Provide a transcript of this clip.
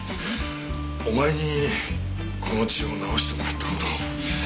お前にこの痔を治してもらった事後